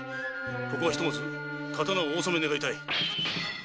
ここはひとまず刀をお納め願いたい。